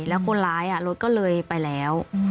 แล้วคนร้ายรถก็เลยไปแล้ว